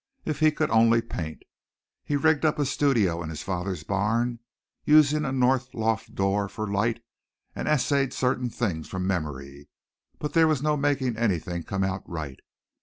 If he could only paint. He rigged up a studio in his father's barn, using a north loft door for light and essayed certain things from memory, but there was no making anything come out right.